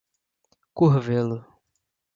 Curvelo